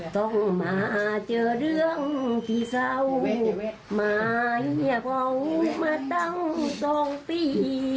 ต้องมาเจอเรื่องที่เศร้าหมายเงียบเหงามาตั้ง๒ปี